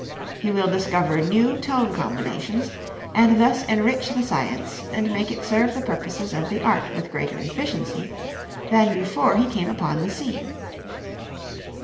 He will discover new tone combinations, and thus enrich the science and make it serve the purposes of the art with greater efficiency than before he came upon the scene.